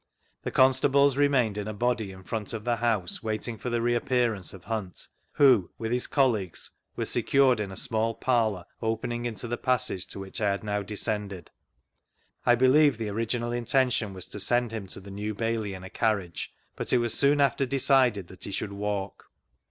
The constables remained in a body in front of the house waiting] for the reappearance of Hunt, who (with his colleagues) was secured in a small parlour opening into the passage to which 1 had now descended. I believie the original intention was to send him to the New Bailey in a carriage, but it was soon after decided that he should walk.